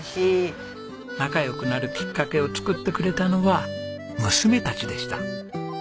仲良くなるきっかけを作ってくれたのは娘たちでした。